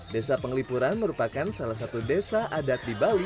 desa penglipuran merupakan salah satu desa adat di bali